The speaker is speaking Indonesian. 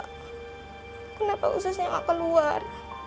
kejantungan kamu kenapa enggak membengkak